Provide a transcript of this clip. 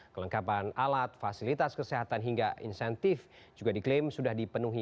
kelengkapan alat fasilitas kesehatan hingga insentif juga diklaim sudah dipenuhi